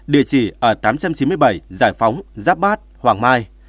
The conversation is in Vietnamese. địa chỉ ở tám trăm chín mươi bảy giải phóng giáp bát hoàng mai